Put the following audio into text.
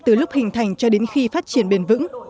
từ lúc hình thành cho đến khi phát triển bền vững